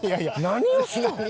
何をしとん？